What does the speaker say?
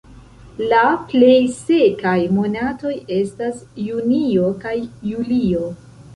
La plej sekaj monatoj estas junio kaj julio.